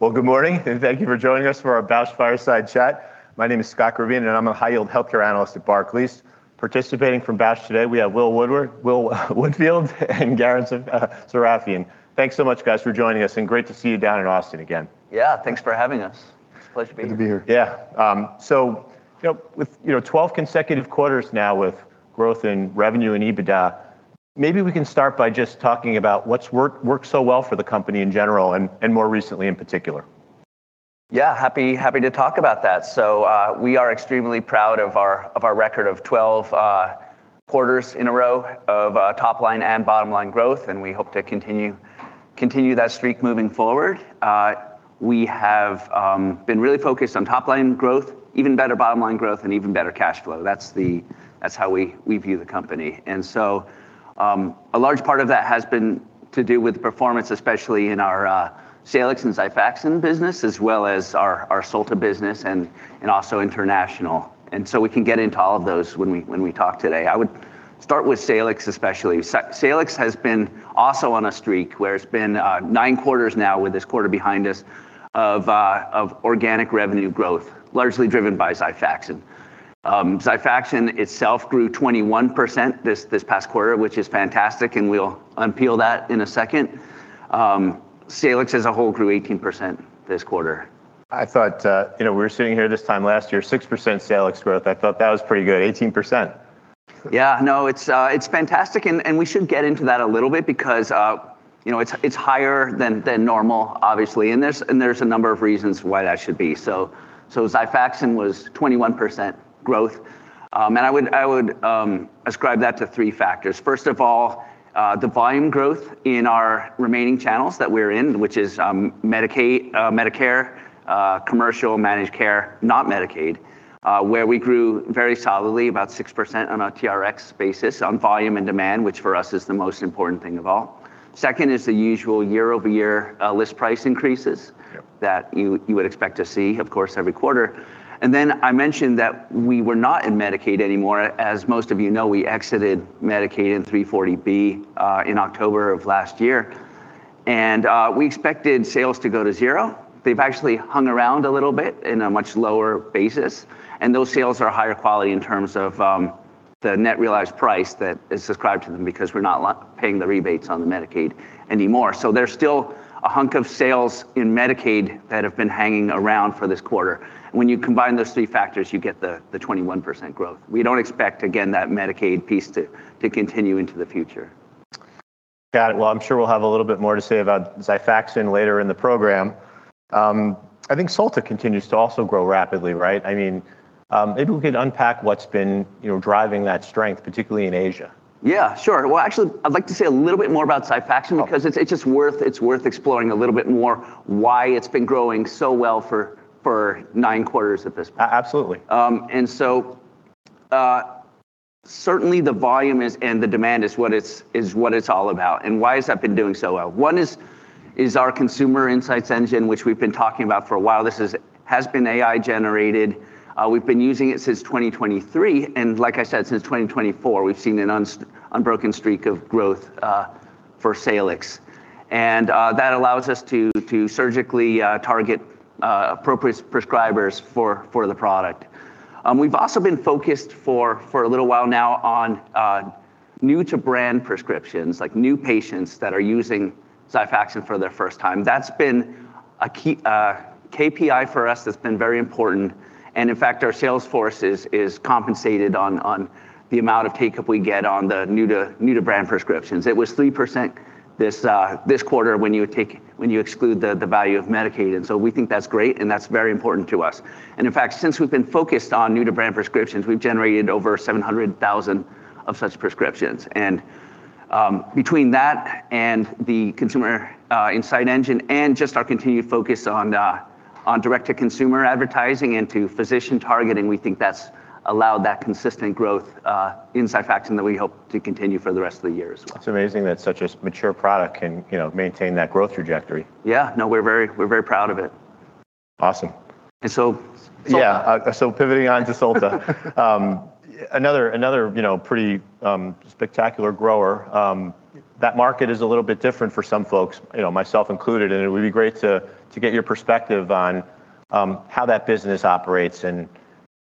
Well, good morning, and thank you for joining us for our Bausch Fireside Chat. My name is Scott Rovin, and I'm a high-yield healthcare analyst at Barclays. Participating from Bausch today we have Will Woodfield, Will Woodfield, and Garen Sarafian. Thanks so much, guys, for joining us, and great to see you down in Austin again. Yeah, thanks for having us. It's a pleasure to be here Good to be here. Yeah. you know, with, you know, 12 consecutive quarters now with growth in revenue and EBITDA, maybe we can start by just talking about worked so well for the company in general and more recently in particular. Happy to talk about that. We are extremely proud of our record of 12 quarters in a row of top line and bottom line growth, and we hope to continue that streak moving forward. We have been really focused on top line growth, even better bottom line growth, and even better cash flow, that's how we view the company. A large part of that has been to do with performance, especially in our Salix and XIFAXAN business, as well as our Solta business and also international. We can get into all of those when we talk today. I would start with Salix especially. Salix has been also on a streak where it's been nine quarters now with this quarter behind us of organic revenue growth, largely driven by XIFAXAN. XIFAXAN itself grew 21% this past quarter, which is fantastic, and we'll unpeel that in a second. Salix as a whole grew 18% this quarter. I thought, you know, we were sitting here this time last year, 6% Salix growth. I thought that was pretty good. 18%. Yeah. No, it's fantastic, and we should get into that a little bit because, you know, it's higher than normal, obviously. There's a number of reasons why that should be. XIFAXAN was 21% growth. I would ascribe that to three factors. First of all, the volume growth in our remaining channels that we're in, which is Medicare, commercial managed care, not Medicaid, where we grew very solidly, about 6% on a TRX basis on volume and demand, which for us is the most important thing of all. Second is the usual year-over-year list price increases. Yep. that you would expect to see, of course, every quarter. I mentioned that we were not in Medicaid anymore. As most of you know, we exited Medicaid in 340B in October of last year. We expected sales to go to zero. They've actually hung around a little bit in a much lower basis, and those sales are higher quality in terms of the net realized price that is subscribed to them because we're not paying the rebates on the Medicaid anymore. There's still a hunk of sales in Medicaid that have been hanging around for this quarter. When you combine those three factors, you get the 21% growth. We don't expect, again, that Medicaid piece to continue into the future. Got it. Well, I'm sure we'll have a little bit more to say about XIFAXAN later in the program. I think Solta continues to also grow rapidly, right? I mean, maybe we can unpack what's been, you know, driving that strength, particularly in Asia. Yeah, sure. Well, actually, I'd like to say a little bit more about XIFAXAN. Okay It's just worth exploring a little bit more why it's been growing so well for 9 quarters at this point. Absolutely. Certainly the volume and the demand is what it's all about, and why has that been doing so well? One is our consumer insights engine, which we've been talking about for a while. This has been AI generated. We've been using it since 2023. Like I said, since 2024, we've seen an unbroken streak of growth for Salix. That allows us to surgically target appropriate prescribers for the product. We've also been focused for a little while now on new to brand prescriptions, like new patients that are using XIFAXAN for their first time. That's been a key KPI for us that's been very important and in fact, our sales force is compensated on the amount of take-up we get on the new to brand prescriptions. It was 3% this quarter when you exclude the value of Medicaid. We think that's great, and that's very important to us. In fact, since we've been focused on new to brand prescriptions, we've generated over 700,000 of such prescriptions. Between that and the consumer insights engine and just our continued focus on direct to consumer advertising and to physician targeting, we think that's allowed that consistent growth in XIFAXAN that we hope to continue for the rest of the year as well. It's amazing that such a mature product can, you know, maintain that growth trajectory. No, we're very proud of it. Awesome. Solta- Yeah. Pivoting on to Solta, another, you know, pretty, spectacular grower. That market is a little bit different for some folks, you know, myself included, and it would be great to get your perspective on how that business operates and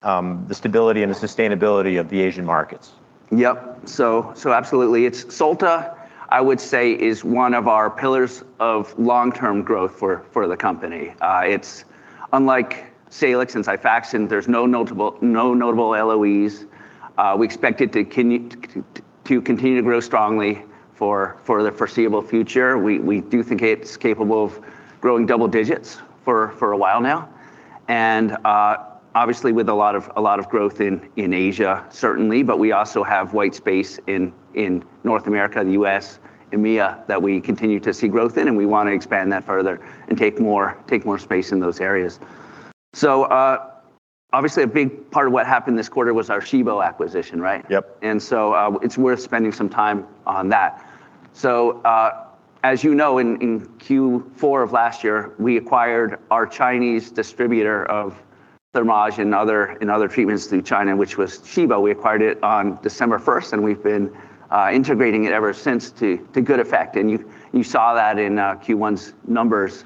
the stability and the sustainability of the Asian markets. Yep. Absolutely. Solta I would say is one of our pillars of long-term growth for the company. It's unlike Salix and XIFAXAN, there's no notable LOEs. We expect it to continue to grow strongly for the foreseeable future. We do think it's capable of growing double digits for a while now. Obviously with a lot of growth in Asia, certainly, but we also have white space in North America, the U.S., EMEA, that we continue to see growth in, and we wanna expand that further and take more space in those areas. Obviously a big part of what happened this quarter was our Shibo acquisition, right? Yep. It's worth spending some time on that. As you know, in Q4 of last year, we acquired our Chinese distributor of Thermage and other, and other treatments through China, which was Shibo. We acquired it on December 1st, and we've been integrating it ever since to good effect. You saw that in Q1's numbers,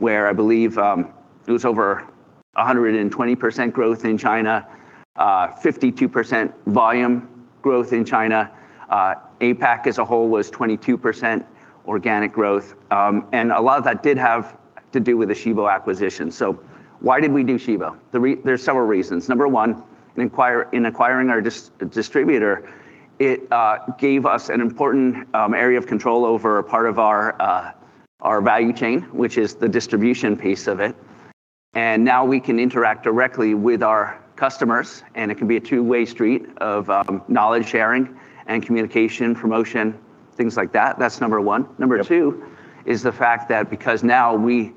where I believe it was over 120% growth in China, 52% volume growth in China. APAC as a whole was 22% organic growth. A lot of that did have to do with the Shibo acquisition. Why did we do Shibo? There's several reasons. Number one, in acquiring our distributor, it gave us an important area of control over a part of our value chain, which is the distribution piece of it, and now we can interact directly with our customers, and it can be a two-way street of knowledge sharing and communication, promotion, things like that. That's number one. Yep. Number two is the fact that because now we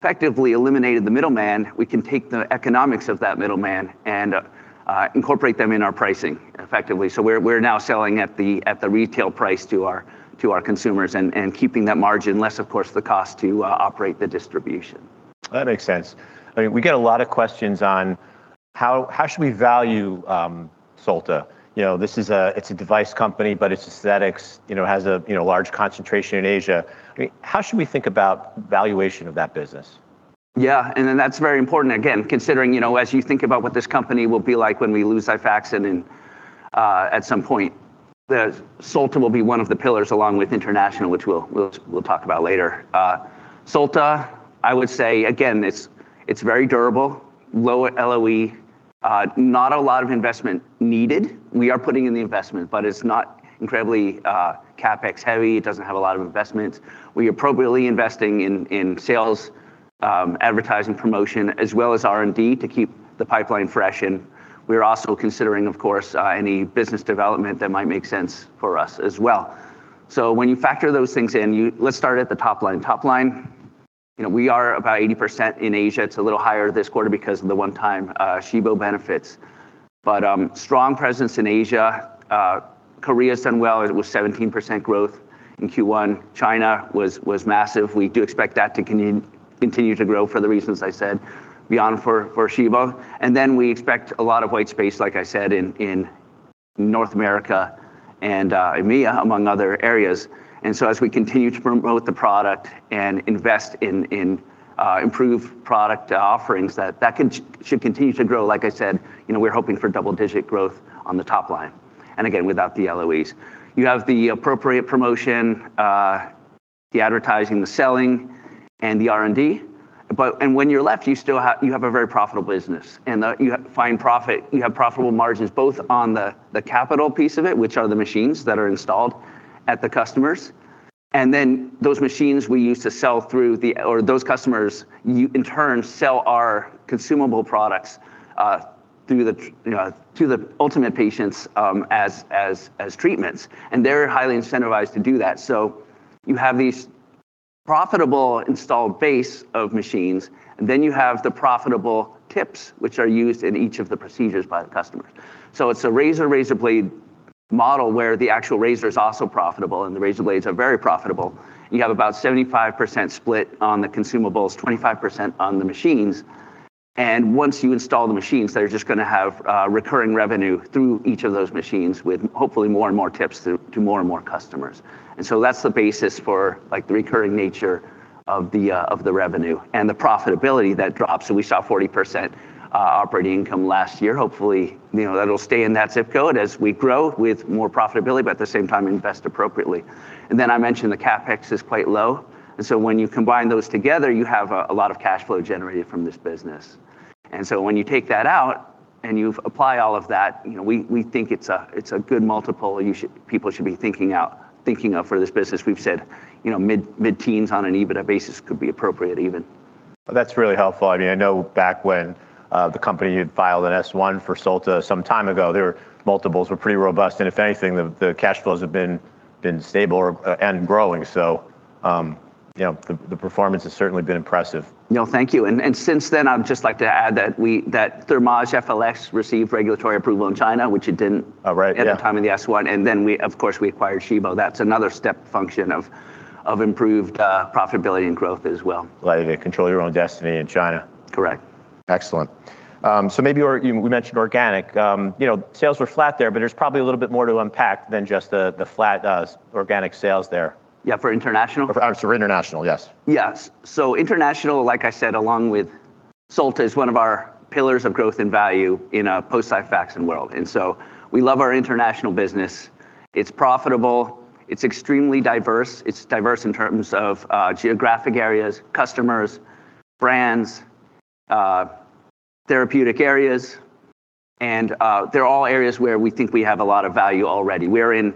effectively eliminated the middleman, we can take the economics of that middleman and incorporate them in our pricing effectively. We're now selling at the retail price to our consumers and keeping that margin, less of course the cost to operate the distribution. That makes sense. I mean, we get a lot of questions on how should we value Solta. You know, this is a, it's a device company, but it's aesthetics, you know, has a, you know, large concentration in Asia. I mean, how should we think about valuation of that business? That's very important again, considering, you know, as you think about what this company will be like when we lose XIFAXAN and at some point. The Solta will be one of the pillars along with international, which we'll talk about later. Solta, I would say again, it's very durable. Low LOE, not a lot of investment needed. We are putting in the investment, but it's not incredibly CapEx heavy. It doesn't have a lot of investment. We're appropriately investing in sales, advertising promotion, as well as R&D to keep the pipeline fresh, and we're also considering, of course, any business development that might make sense for us as well. When you factor those things in, let's start at the top line. Top line, you know, we are about 80% in Asia. It's a little higher this quarter because of the one-time Shibo benefits. Strong presence in Asia. Korea's done well. It was 17% growth in Q1. China was massive. We do expect that to continue to grow for the reasons I said beyond for Shibo. We expect a lot of white space like I said in North America and EMEA, among other areas. As we continue to promote the product and invest in improved product offerings, that should continue to grow. Like I said, you know, we're hoping for double-digit growth on the top line, and again, without the LOEs. You have the appropriate promotion, the advertising, the selling, and the R&D. When you're left, you still have a very profitable business, and you have fine profit. You have profitable margins both on the capital piece of it, which are the machines that are installed at the customers, and then those machines we use to sell, or those customers in turn sell our consumable products, through you know, to the ultimate patients, as treatments. They're highly incentivized to do that. You have these profitable installed base of machines, and then you have the profitable tips, which are used in each of the procedures by the customers. It's a razor-razor blade model where the actual razor is also profitable, and the razor blades are very profitable. You have about 75% split on the consumables, 25% on the machines. Once you install the machines, they're just gonna have recurring revenue through each of those machines with hopefully more and more tips through to more and more customers. That's the basis for like the recurring nature of the revenue and the profitability that drops. We saw 40% operating income last year. Hopefully, you know, that'll stay in that zip code as we grow with more profitability, but at the same time invest appropriately. I mentioned the CapEx is quite low. When you combine those together, you have a lot of cash flow generated from this business. When you take that out and you've apply all of that, you know, we think it's a good multiple people should be thinking of for this business. We've said, you know, mid-teens on an EBITDA basis could be appropriate even. That's really helpful. I mean, I know back when the company had filed an S1 for Solta some time ago, their multiples were pretty robust, and if anything, the cash flows have been stable or and growing. You know, the performance has certainly been impressive. No, thank you. Since then, I'd just like to add that Thermage FLX received regulatory approval in China. Oh, right. Yeah. at the time of the S1. We, of course, acquired Shibo. That's another step function of improved profitability and growth as well. Allow you to control your own destiny in China. Correct. Excellent. Maybe or even we mentioned organic, you know, sales were flat there, but there's probably a little bit more to unpack than just the flat organic sales there. Yeah, for international? Sorry, international, yes. Yes. International like I said, along with Solta, is one of our pillars of growth and value in a post-XIFAXAN world. We love our International business. It's profitable, it's extremely diverse. It's diverse in terms of geographic areas, customers, brands, therapeutic areas, they're all areas where we think we have a lot of value already. We're in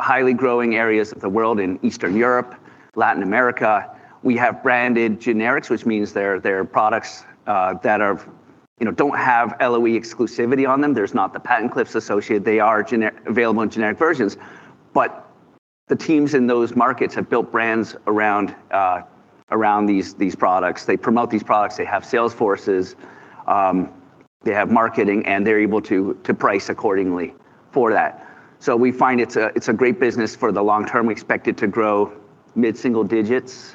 highly growing areas of the world in Eastern Europe, Latin America. We have branded generics, which means they're products, you know, don't have LOE exclusivity on them. There's not the patent cliffs associated. They are available in generic versions. The teams in those markets have built brands around these products. They promote these products. They have sales forces. They have marketing, they're able to price accordingly for that. We find it's a great business for the long term. We expect it to grow mid-single digits,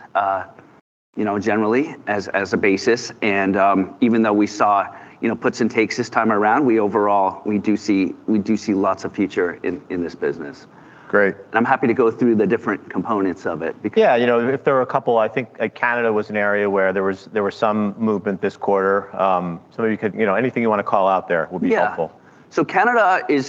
you know, generally as a basis. Even though we saw, you know, puts and takes this time around, we do see lots of future in this business. Great. I'm happy to go through the different components of it. Yeah, you know, if there were a couple, I think, like, Canada was an area where there was some movement this quarter. You know, anything you wanna call out there would be helpful. Yeah. Canada is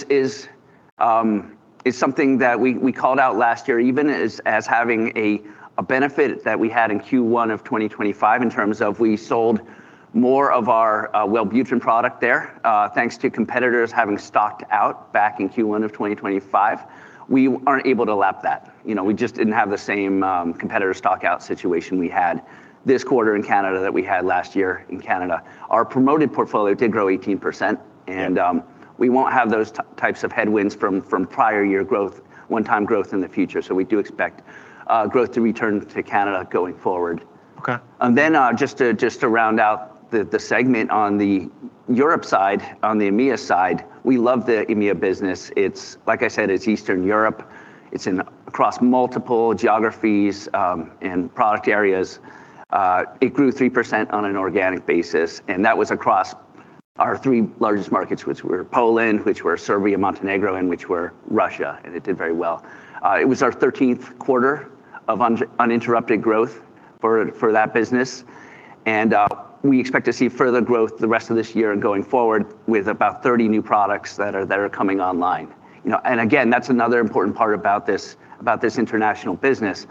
something that we called out last year, even as having a benefit that we had in Q1 of 2025 in terms of we sold more of our WELLBUTRIN product there, thanks to competitors having stocked out back in Q1 of 2025. We aren't able to lap that. You know, we just didn't have the same competitor stock-out situation we had this quarter in Canada that we had last year in Canada. Our promoted portfolio did grow 18%. Yeah. We won't have those types of headwinds from prior year growth, one-time growth in the future. We do expect growth to return to Canada going forward. Okay. Just to round out the segment on the Europe side, on the EMEA side, we love the EMEA business. Like I said, it's Eastern Europe. It's across multiple geographies and product areas. It grew 3% on an organic basis, and that was across our three largest markets, which were Poland, which were Serbia, Montenegro, and which were Russia, and it did very well. It was our 13th quarter of uninterrupted growth for that business. We expect to see further growth the rest of this year and going forward with about 30 new products that are coming online. You know, that's another important part about this international business.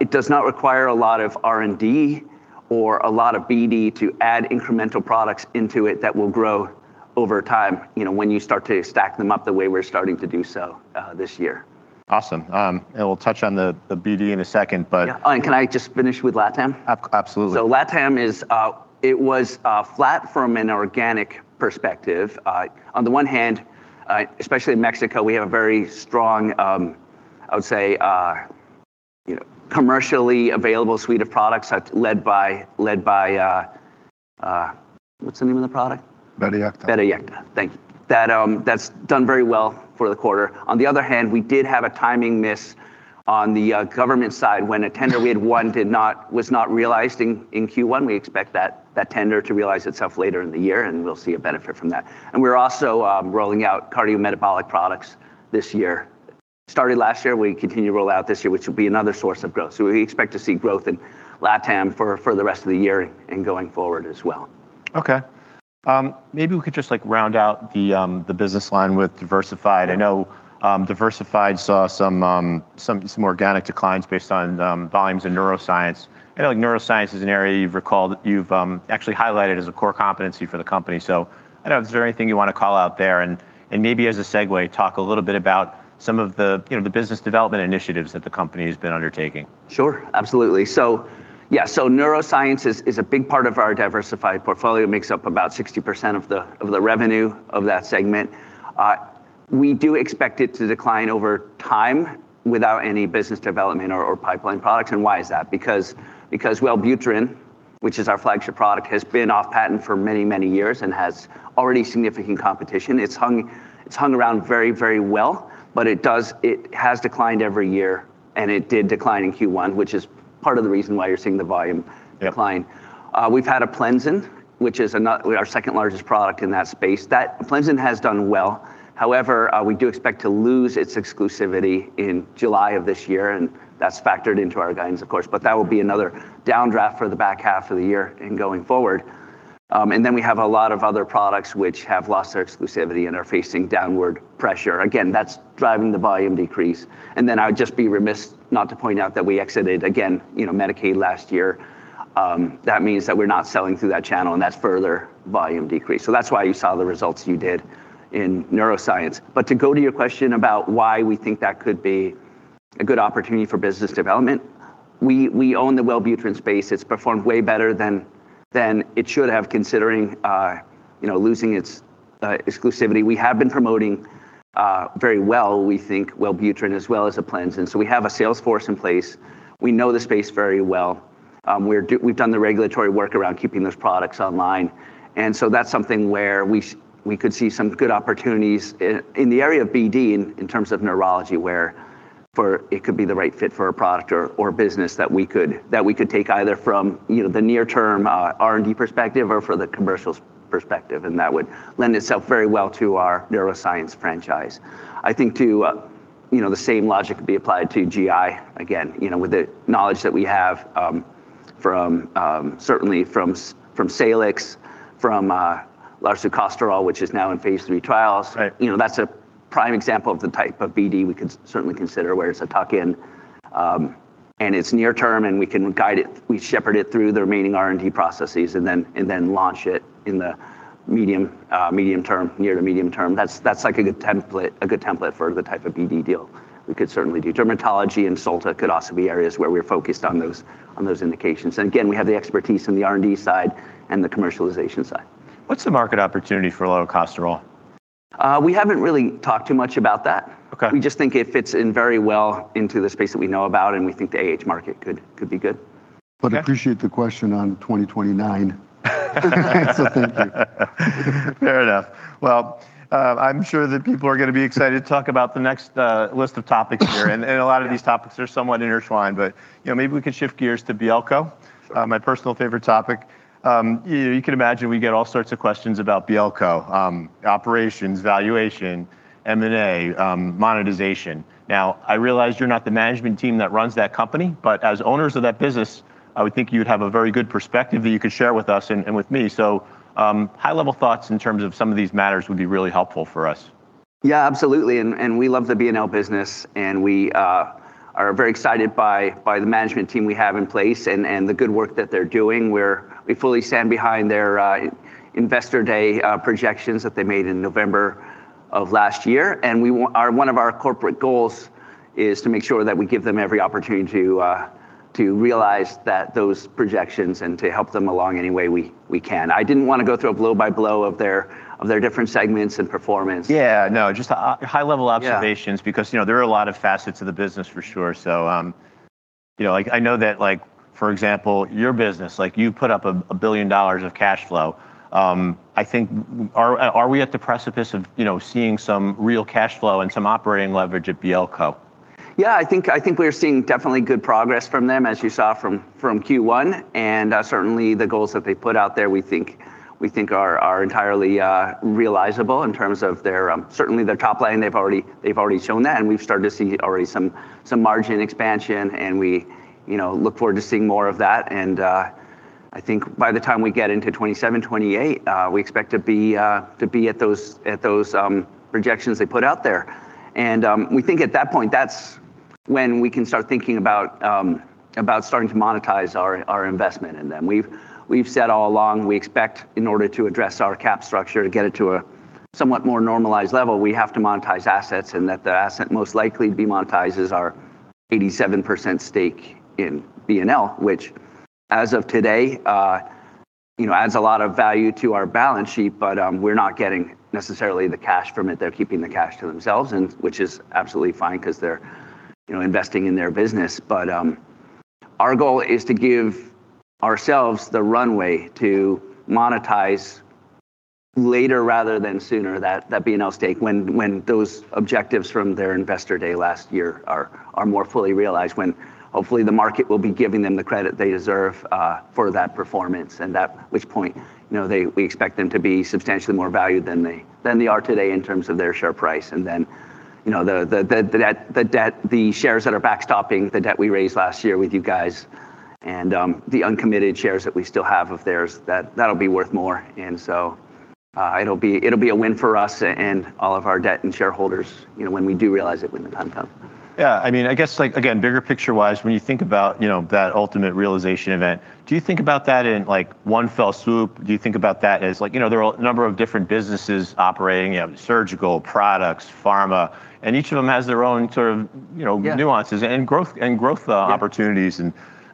It does not require a lot of R&D or a lot of BD to add incremental products into it that will grow over time, you know, when you start to stack them up the way we're starting to do so, this year. Awesome. We'll touch on the BD in a second. Yeah. Oh, can I just finish with LATAM? Absolutely. LATAM is, it was flat from an organic perspective. On the one hand, especially in Mexico, we have a very strong, I would say, you know, commercially available suite of products led by, What's the name of the product? VYZULTA. VYZULTA. Thank you. That's done very well for the quarter. On the other hand, we did have a timing miss on the government side when a tender we had won was not realized in Q1. We expect that tender to realize itself later in the year, and we'll see a benefit from that. We're also rolling out cardiometabolic products this year. Started last year, we continue to roll out this year, which will be another source of growth. We expect to see growth in LATAM for the rest of the year and going forward as well. Okay. Maybe we could just like round out the business line with diversified. I know diversified saw some organic declines based on volumes in neuroscience. I know, like, neuroscience is an area you've actually highlighted as a core competency for the company. I don't know. Is there anything you wanna call out there? Maybe as a segue, talk a little bit about some of the, you know, the business development initiatives that the company has been undertaking. Sure. Absolutely. Neuroscience is a big part of our diversified portfolio. It makes up about 60% of the revenue of that segment. We do expect it to decline over time without any business development or pipeline products. Why is that? Because WELLBUTRIN, which is our flagship product, has been off patent for many years and has already significant competition. It's hung around very well, it has declined every year. It did decline in Q1, which is part of the reason why you're seeing the volume decline. Yeah. We've had APLENZIN, which is our second-largest product in that space, that APLENZIN has done well. We do expect to lose its exclusivity in July of this year, and that's factored into our guidance, of course. That will be another downdraft for the back half of the year and going forward. We have a lot of other products which have lost their exclusivity and are facing downward pressure. Again, that's driving the volume decrease. I would just be remiss not to point out that we exited again, you know, Medicaid last year. That means that we're not selling through that channel, and that's further volume decrease. That's why you saw the results you did in neuroscience. To go to your question about why we think that could be a good opportunity for business development, we own the WELLBUTRIN XL space. It's performed way better than it should have considering, you know, losing its exclusivity. We have been promoting very well, we think, WELLBUTRIN XL as well as APLENZIN. We have a sales force in place, we know the space very well. We've done the regulatory work around keeping those products online. That's something where we could see some good opportunities in the area of BD in terms of neurology, where it could be the right fit for a product or business that we could, that we could take either from, you know, the near-term R&D perspective or for the commercial perspective, and that would lend itself very well to our neuroscience franchise. I think to, you know, the same logic could be applied to GI. Again you know, with the knowledge that we have, from certainly from Salix, from larsucosterol, which is now in phase III trials. Right. You know, that's a prime example of the type of BD we could certainly consider, where it's a tuck-in, and it's near term, and we can guide it. We shepherd it through the remaining R&D processes and then launch it in the medium term, near to medium term. That's like a good template, a good template for the type of BD deal we could certainly do. Dermatology and Solta could also be areas where we're focused on those, on those indications. Again, we have the expertise in the R&D side and the commercialization side. What's the market opportunity for larsucosterol? We haven't really talked too much about that. Okay. We just think it fits in very well into the space that we know about, and we think the AH market could be good. Okay. Appreciate the question on 2029. Thank you. Fair enough. Well, I'm sure that people are gonna be excited to talk about the next list of topics here. Yeah. A lot of these topics are somewhat intertwined, but, you know, maybe we could shift gears to BLCO. Sure. My personal favorite topic. You know, you can imagine we get all sorts of questions about BLCO. Operations, valuation, M&A, monetization. I realize you're not the management team that runs that company, but as owners of that business, I would think you'd have a very good perspective that you could share with us and with me. High-level thoughts in terms of some of these matters would be really helpful for us. Yeah, absolutely and we love the B&L business, we are very excited by the management team we have in place and the good work that they're doing. We fully stand behind their Investor Day projections that they made in November of last year. One of our corporate goals is to make sure that we give them every opportunity to realize those projections and to help them along any way we can. I didn't wanna go through a blow-by-blow of their different segments and performance. Yeah. No, just a high-level observations. Yeah You know, there are a lot of facets to the business for sure. You know, like I know that like, for example, your business, like you put up a $1 billion of cash flow. I think, are we at the precipice of, you know, seeing some real cash flow and some operating leverage at BLCO? Yeah, I think we're seeing definitely good progress from them, as you saw from Q1, certainly the goals that they put out there, we think are entirely realizable in terms of their certainly their top line. They've already shown that, we've started to see already some margin expansion, we, you know, look forward to seeing more of that. I think by the time we get into 2027, 2028, we expect to be at those projections they put out there. We think at that point, that's when we can start thinking about starting to monetize our investment in them. We've said all along, we expect in order to address our cap structure to get it to a somewhat more normalized level, we have to monetize assets, and that the asset most likely to be monetized is our 87% stake in B&L. Which as of today, you know, adds a lot of value to our balance sheet, but we're not getting necessarily the cash from it. They're keeping the cash to themselves and which is absolutely fine 'cause they're, you know, investing in their business. Our goal is to give ourselves the runway to monetize later rather than sooner, that B&L stake when those objectives from their Investor Day last year are more fully realized, when hopefully the market will be giving them the credit they deserve for that performance. At which point, you know, we expect them to be substantially more valued than they are today in terms of their share price. Then, you know, the shares that are backstopping the debt we raised last year with you guys and the uncommitted shares that we still have of theirs, that'll be worth more. So, it'll be a win for us and all of our debt and shareholders, you know, when we do realize it when the time comes. Yeah. I mean, I guess like, again, bigger picture-wise, when you think about, you know, that ultimate realization event, do you think about that in like one fell swoop? Do you think about that as like, you know, there are a number of different businesses operating, you have surgical products, pharma, and each of them has their own sort of, you know. Yeah Nuances and growth, Yeah Opportunities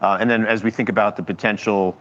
and then as we think about the potential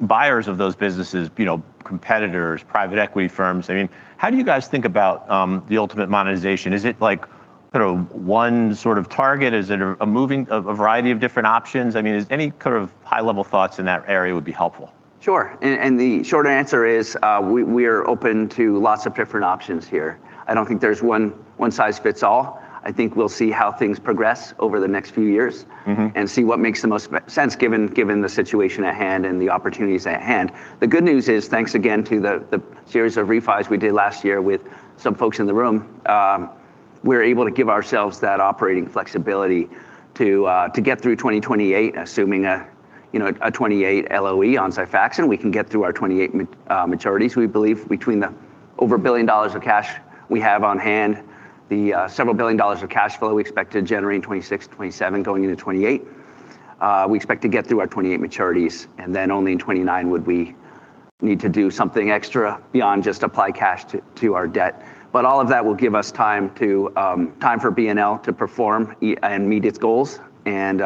buyers of those businesses, you know, competitors, private equity firms, I mean, how do you guys think about the ultimate monetization? Is it like sort of one sort of target? Is it a moving of a variety of different options? I mean, is any kind of high level thoughts in that area would be helpful. Sure. The short answer is, we are open to lots of different options here. I don't think there's one size fits all. I think we'll see how things progress over the next few years, and see what makes the most sense given the situation at hand and the opportunities at hand. The good news is, thanks again to the series of refis we did last year with some folks in the room, we're able to give ourselves that operating flexibility to get through 2028, assuming a, you know, a 2028 LOE on XIFAXAN. We can get through our 2028 maturities, we believe between the over $1 billion of cash we have on hand, the several billion dollars of cash flow we expect to generate in 2026 to 2027 going into 2028. We expect to get through our 2028 maturities, and then only in 2029 would we need to do something extra beyond just apply cash to our debt. All of that will give us time to, time for B&L to perform and meet its goals and,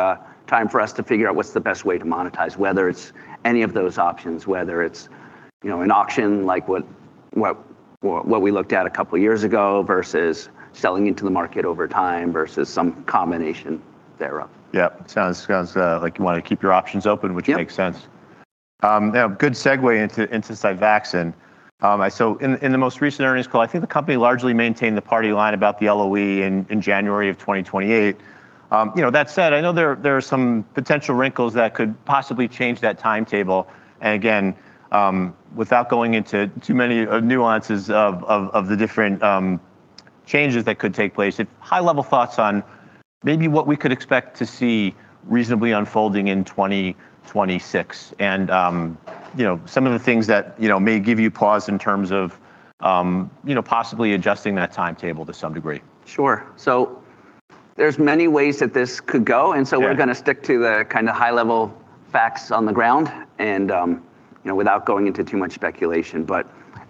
time for us to figure out what's the best way to monetize, whether it's any of those options, whether it's, you know, an auction, like what we looked at a couple of years ago versus selling into the market over time versus some combination thereof. Yeah. Sounds, like you wanna keep your options open. Yeah Which makes sense. Now good segue into XIFAXAN. In the most recent earnings call, I think the company largely maintained the party line about the LOE in January of 2028. You know, that said, I know there are some potential wrinkles that could possibly change that timetable. Again, without going into too many nuances of the different changes that could take place, at high level thoughts on maybe what we could expect to see reasonably unfolding in 2026 and, you know, some of the things that, you know, may give you pause in terms of, you know, possibly adjusting that timetable to some degree. Sure. There's many ways that this could go. Yeah We're gonna stick to the kinda high level facts on the ground and, you know, without going into too much speculation.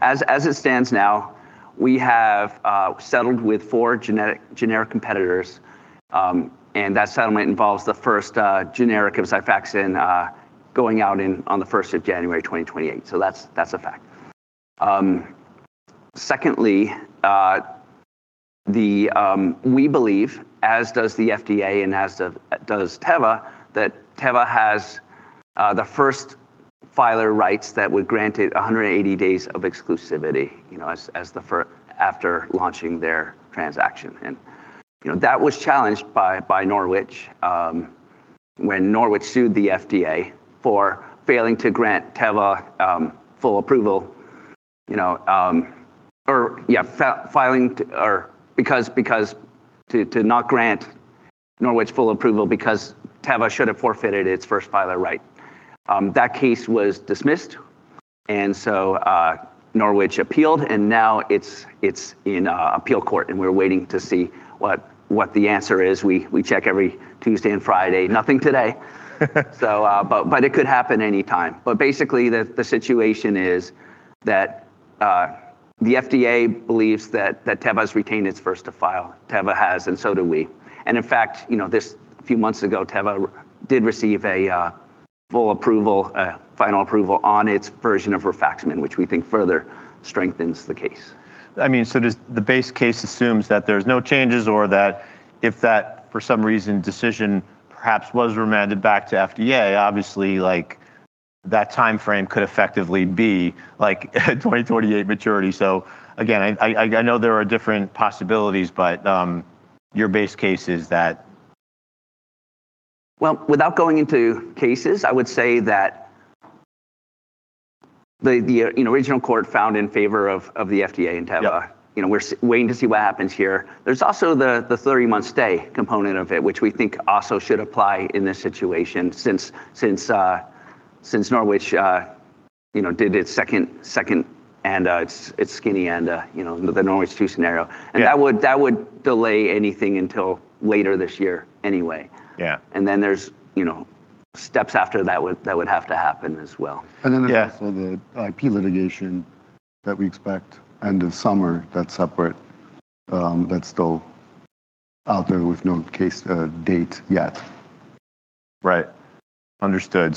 As, as it stands now, we have settled with four generic competitors, and that settlement involves the first generic of XIFAXAN going out on the 1st of January 2028. That's, that's a fact. Secondly, we believe, as does the FDA and as does Teva, that Teva has the first filer rights that would grant it 180 days of exclusivity, you know, as the after launching their transaction. You know, that was challenged by Norwich when Norwich sued the FDA for failing to grant Teva full approval, or filing or because to not grant Norwich full approval because Teva should have forfeited its first filer right. That case was dismissed. Norwich appealed, and now it's in appeal court, and we're waiting to see what the answer is. We check every Tuesday and Friday. Nothing today. But it could happen any time. Basically the situation is that the FDA believes that Teva's retained its first to file. Teva has and so do we. In fact, you know, this, a few months ago, Teva did receive a full approval, a final approval on its version of rifaximin, which we think further strengthens the case. I mean, does the base case assumes that there's no changes or that if that for some reason decision perhaps was remanded back to FDA, obviously like that timeframe could effectively be like 2028 maturity. Again, I know there are different possibilities, but your base case is that? Well, without going into cases, I would say that the, you know, original court found in favor of the FDA and Teva. Yeah. You know, we're waiting to see what happens here. There's also the thirty-month stay component of it, which we think also should apply in this situation since Norwich, you know, did its second ANDA, its skinny ANDA, you know, the Norwich two scenario. Yeah. That would delay anything until later this year anyway. Yeah. There's, you know, steps after that would have to happen as well. Yeah. There's also the IP litigation that we expect end of summer that's separate, that's still out there with no case, date yet. Right. Understood.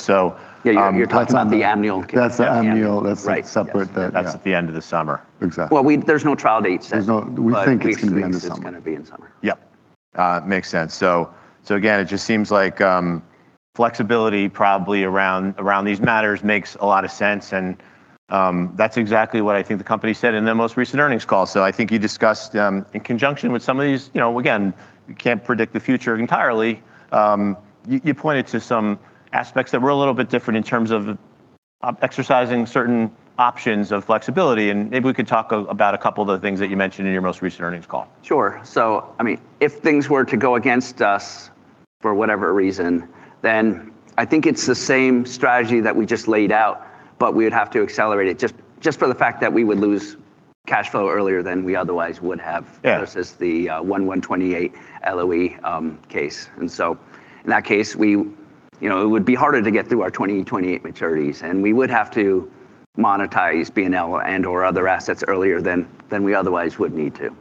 Yeah, you're talking about the Amneal- That's the Amneal. That's separate. That's at the end of the summer. Exactly. Well, there's no trial date set. We think it's gonna be in the summer. Basically it's gonna be in summer. Yeah, makes sense. Again, it just seems like flexibility probably around these matters makes a lot of sense and that's exactly what I think the company said in their most recent earnings call. I think you discussed, in conjunction with some of these, you know, again, you can't predict the future entirely. You pointed to some aspects that were a little bit different in terms of exercising certain options of flexibility, and maybe we could talk about a couple of the things that you mentioned in your most recent earnings call. Sure. I mean, if things were to go against us for whatever reason, I think it's the same strategy that we just laid out, we would have to accelerate it just for the fact that we would lose cash flow earlier than we otherwise would have. Yeah Versus the 1128 LOE case. In that case, we, you know, it would be harder to get through our 2028 maturities, and we would have to monetize B&L and/or other assets earlier than we otherwise would need to.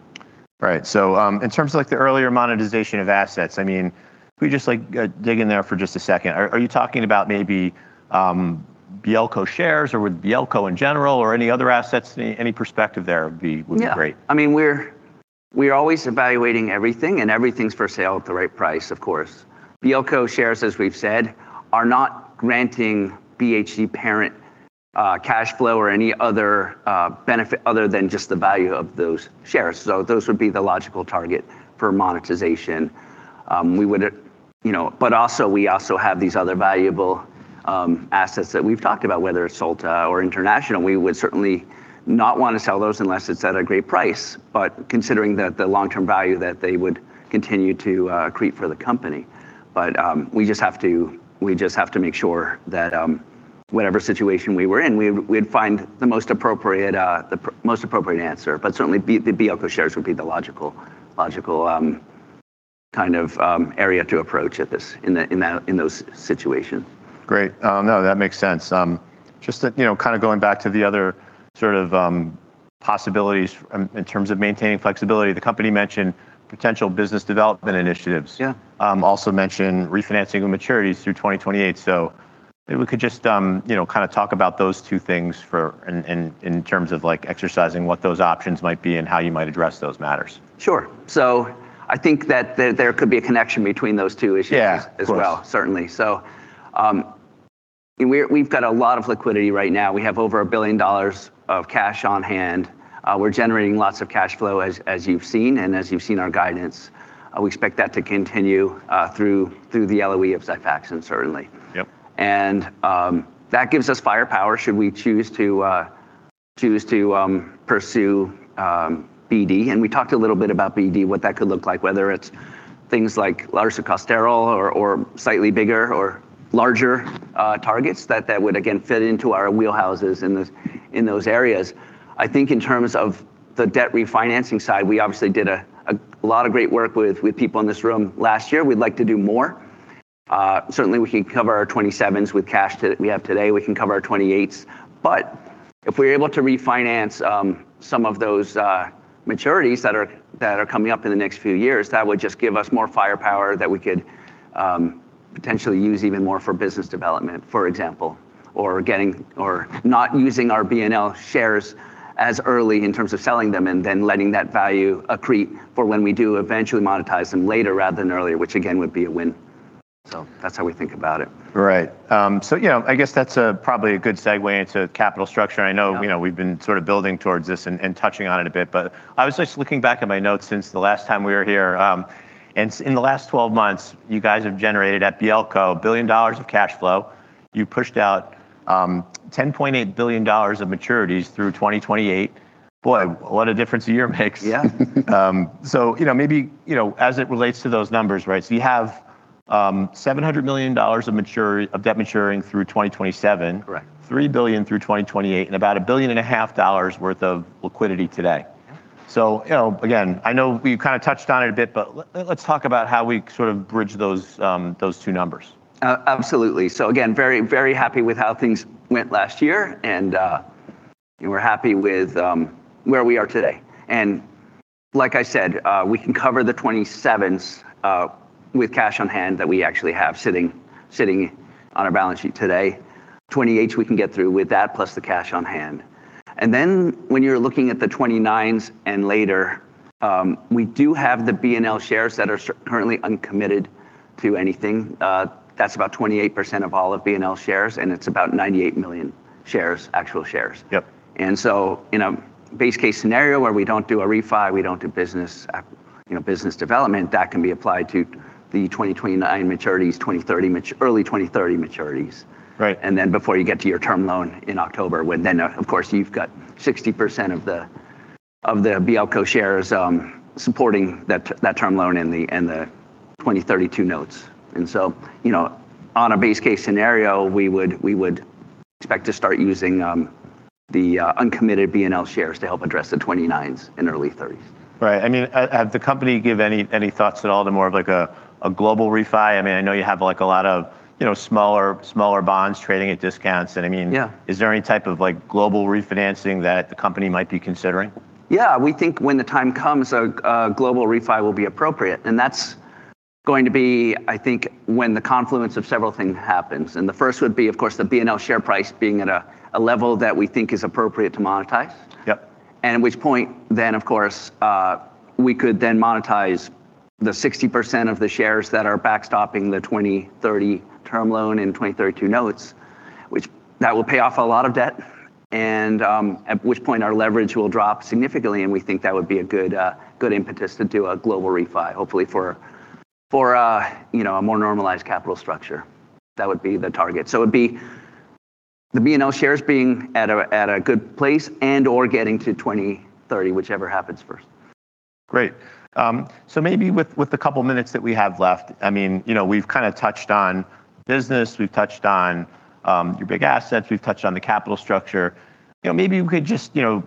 Right. In terms of like the earlier monetization of assets, I mean, if we just like, dig in there for just a second. Are you talking about maybe, BLCO shares or with BLCO in general or any other assets? Any perspective there would be great. I mean, we're always evaluating everything. Everything's for sale at the right price, of course. BLCO shares, as we've said, are not granting BHC parent cash flow or any other benefit other than just the value of those shares. Those would be the logical target for monetization, we would, you know, but also, we also have these other valuable assets that we've talked about, whether it's Solta or international. We would certainly not want to sell those unless it's at a great price, considering the long-term value that they would continue to accrete for the company. We just have to make sure that whatever situation we were in, we would find the most appropriate answer. Certainly the BLCO shares would be the logical, kind of, area to approach in those situations. Great. No, that makes sense. Just to, you know, kind of going back to the other sort of possibilities in terms of maintaining flexibility. The company mentioned potential business development initiatives. Yeah. Also mentioned refinancing of maturities through 2028. Maybe we could just, you know, in terms of like exercising what those options might be and how you might address those matters. Sure. I think that there could be a connection between those two issues. Yeah As well, certainly. We've got a lot of liquidity right now. We have over $1 billion of cash on hand. We're generating lots of cash flow as you've seen, and as you've seen our guidance. We expect that to continue through the LOE of XIFAXAN certainly. Yep. That gives us firepower should we choose to pursue BD. We talked a little bit about BD, what that could look like, whether it's things like larsucosterol or slightly bigger or larger targets that would again fit into our wheelhouses in those, in those areas. I think in terms of the debt refinancing side, we obviously did a lot of great work with people in this room last year. We'd like to do more. Certainly we can cover our 2027s with cash that we can cover our 2028s. If we're able to refinance some of those maturities that are coming up in the next few years, that would just give us more firepower that we could potentially use even more for business development, for example, or not using our B&L shares as early in terms of selling them and then letting that value accrete for when we do eventually monetize them later rather than earlier, which again, would be a win. That's how we think about it. Right. you know, I guess that's a probably a good segue into capital structure. Yeah. I know, you know, we've been sort of building towards this and touching on it a bit, but I was just looking back at my notes since the last time we were here. In the last 12 months, you guys have generated at BLCO $1 billion of cash flow. You pushed out $10.8 billion of maturities through 2028. Boy, what a difference a year makes. Yeah. You know, maybe, you know, as it relates to those numbers, right? You have $700 million of debt maturing through 2027. Correct. $3 billion through 2028, and about a billion and a half dollars worth of liquidity today. Yeah. You know, again, I know we've kind of touched on it a bit, but let's talk about how we sort of bridge those two numbers. Absolutely. Again, very, very happy with how things went last year, we're happy with where we are today. Like I said, we can cover the 2027s with cash on hand that we actually have sitting on our balance sheet today. 2028s, we can get through with that plus the cash on hand. When you're looking at the 2029s and later, we do have the B&L shares that are currently uncommitted to anything. That's about 28% of all of B&L shares, and it's about 98 million shares, actual shares. Yep. In a base case scenario where we don't do a refi, we don't do, you know, business development, that can be applied to the 2029 maturities, early 2030 maturities. Right. Before you get to your term loan in October, when then, of course, you've got 60% of the BLCO shares supporting that term loan and the 2032 notes. You know, on a base case scenario, we would expect to start using the uncommitted B&L shares to help address the 2029s and early 2030s. Right. I mean, have the company give any thoughts at all to more of like a global refi? I mean, I know you have like, a lot of, you know, smaller bonds trading at discounts. Yeah Is there any type of like global refinancing that the company might be considering? Yeah. We think when the time comes, a global refi will be appropriate, and that's going to be, I think, when the confluence of several things happens. The first would be, of course, the B&L share price being at a level that we think is appropriate to monetize. Yep. At which point, of course, we could then monetize the 60% of the shares that are backstopping the 2030 term loan and 2032 notes, which that will pay off a lot of debt and, at which point our leverage will drop significantly, and we think that would be a good impetus to do a global refi, hopefully for, you know, a more normalized capital structure. That would be the target. It would be the B&L shares being at a good place and/or getting to 2030, whichever happens first. Great. Maybe with the couple minutes that we have left, I mean, you know, we've kind of touched on business, we've touched on your big assets. We've touched on the capital structure. You know, maybe we could just, you know,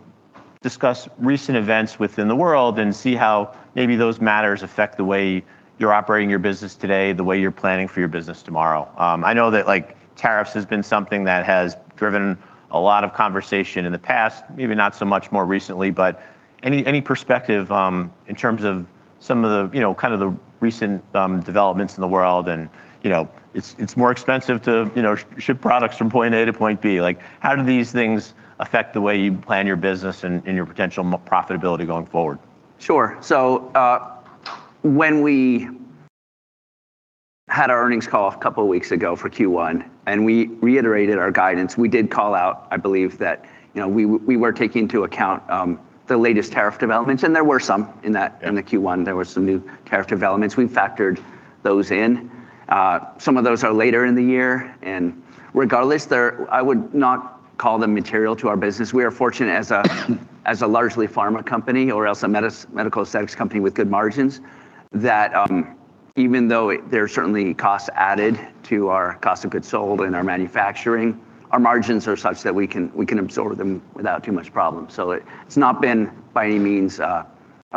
discuss recent events within the world and see how maybe those matters affect the way you're operating your business today, the way you're planning for your business tomorrow. I know that like tariffs has been something that has driven a lot of conversation in the past, maybe not so much more recently, but any perspective in terms of some of the, you know, kind of the recent developments in the world and, you know, it's more expensive to, you know, ship products from point A to point B. Like, how do these things affect the way you plan your business and your potential profitability going forward? Sure. When we had our earnings call a couple of weeks ago for Q1, and we reiterated our guidance, we did call out, I believe, that, you know, we were taking into account the latest tariff developments, and there were some in that. Yeah in the Q1. There were some new tariff developments. We factored those in. Some of those are later in the year. Regardless, I would not call them material to our business. We are fortunate as a, as a largely pharma company or else a medical aesthetics company with good margins that, even though there are certainly costs added to our cost of goods sold and our manufacturing, our margins are such that we can absorb them without too much problem. It's not been, by any means, a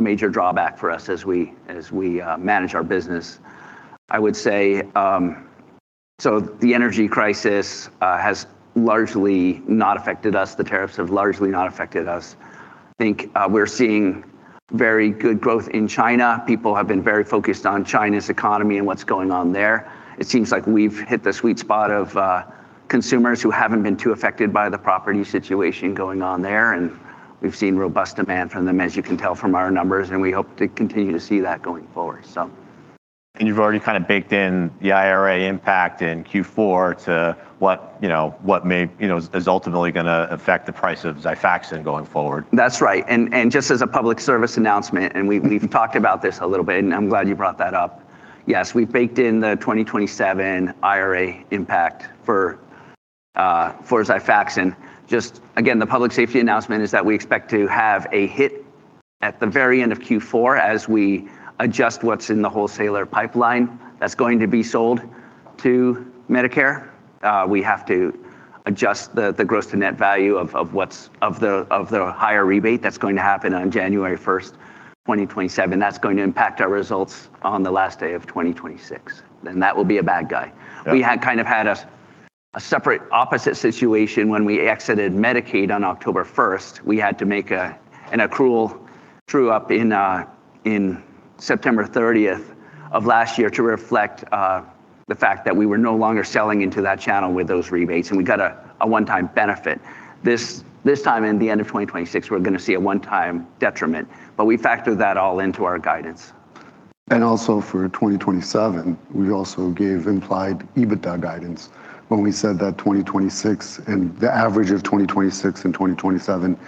major drawback for us as we manage our business. I would say, the energy crisis has largely not affected us. The tariffs have largely not affected us. I think, we're seeing very good growth in China. People have been very focused on China's economy and what's going on there. It seems like we've hit the sweet spot of consumers who haven't been too affected by the property situation going on there, and we've seen robust demand from them, as you can tell from our numbers, and we hope to continue to see that going forward. You've already kind of baked in the IRA impact in Q4 to what, you know, what may, you know, is ultimately gonna affect the price of XIFAXAN going forward. That's right. Just as a public service announcement, we've talked about this a little bit, and I'm glad you brought that up. Yes, we've baked in the 2027 IRA impact for XIFAXAN. Just again, the public safety announcement is that we expect to have a hit at the very end of Q4 as we adjust what's in the wholesaler pipeline that's going to be sold to Medicare. We have to adjust the gross to net value of the higher rebate that's going to happen on January 1st, 2027. That's going to impact our results on the last day of 2026. That will be a bad guy. Yeah. We had kind of had a separate opposite situation when we exited Medicaid on October 1st. We had to make an accrual true-up in September 30th of last year to reflect the fact that we were no longer selling into that channel with those rebates, and we got a one-time benefit. This time, in the end of 2026, we're going to see a one-time detriment. We factored that all into our guidance. Also for 2027, we also gave implied EBITDA guidance when we said that 2026 and the average of 2026 and 2027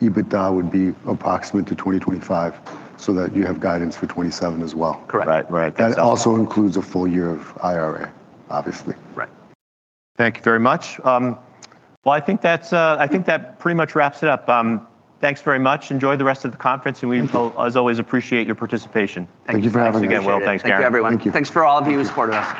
EBITDA would be approximate to 2025, so that you have guidance for 2027 as well. Correct. Right, right. That also includes a full year of IRA, obviously. Right. Thank you very much. Well, I think that's, I think that pretty much wraps it up, thanks very much. Enjoy the rest of the conference, and we as always, appreciate your participation. Thank you. Thank you for having us. Thanks again. Well, thanks, Garen. Thank you, everyone. Thank you. Thanks for all of you who supported us.